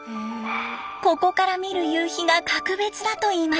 ここから見る夕日が格別だといいます。